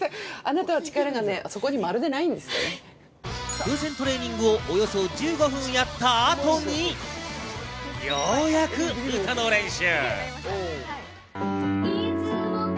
風船トレーニングをおよそ１５分やった後にようやく歌の練習。